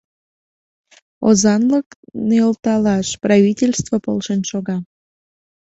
Озанлык нӧлталаш правительство полшен шога.